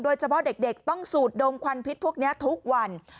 เฉพาะเด็กต้องสูดดมควันพิษพวกนี้ทุกวัน